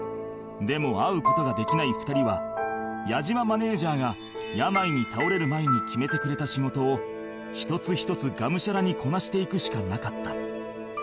でも会う事ができない２人は矢島マネジャーが病に倒れる前に決めてくれた仕事を一つ一つガムシャラにこなしていくしかなかった